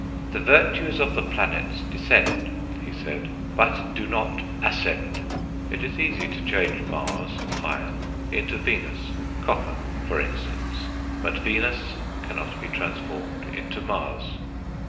"The virtues of the planets descend," he said, "but do not ascend"; it is easy to change Mars (iron) into Venus (copper), for instance, but Venus cannot be transformed into Mars.